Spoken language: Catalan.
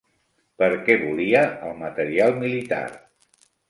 Per què volia el material militar?